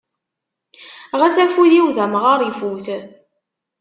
Ɣas afud-iw d amɣar ifut.